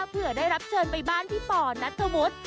เพื่อได้รับเชิญไปบ้านพี่ป่อนัทธวุฒิ